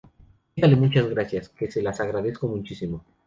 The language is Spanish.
Dígale muchas gracias, que se las agradezco muchísimo.